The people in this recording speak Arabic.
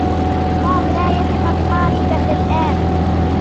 توم لا يثق بماري بعد الآن.